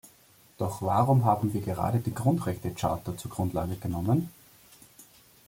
Doch warum haben wir gerade die Grundrechtecharta zur Grundlage genommen?